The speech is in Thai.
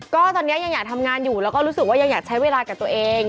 ก็ตอนนี้ยังอยากทำงานอยู่แล้วก็รู้สึกว่ายังอยากใช้เวลากับตัวเอง